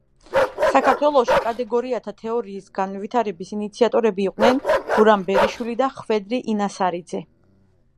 საქართველოში კატეგორიათა თეორიის განვითარების ინიციატორები იყვნენ გურამ ბერიშვილი და ხვედრი ინასარიძე.